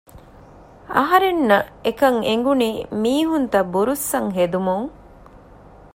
އަހަރެންނަށް އެކަން އެނގުނީ މީހުންތައް ބުރުއްސަން ހެދުމުން